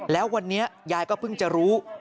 แล้ววันนี้ยายก็เพิ่งจะรู้